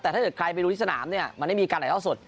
แต่ถ้าใครไปดูที่สนามเนี่ยมันไม่มีการไหล่ล่อสด